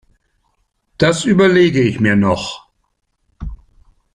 Das überlege ich mir noch.